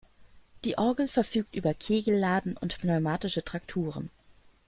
Die Orgel verfügt über Kegelladen und pneumatische Trakturen.